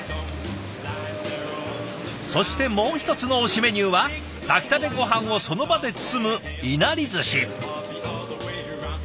そしてもう一つの推しメニューは炊きたてごはんをその場で包むいなりずし。